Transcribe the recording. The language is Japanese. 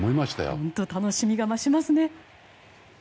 本当に楽しみが増しますね。